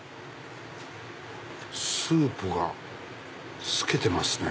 スープが透けてますね。